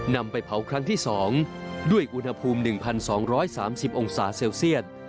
นำไปเผาครั้งที่๒ด้วยอุณหภูมิ๑๒๓๐องศาเซลเซียต